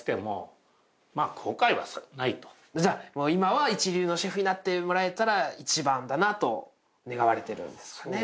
じゃあ今は一流のシェフになってもらえたら一番だなと願われてるんですかね